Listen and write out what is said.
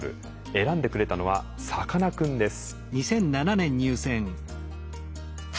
選んでくれたのはさかなクンです。